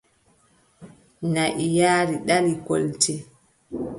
Naʼi nyaari ɗali kolce.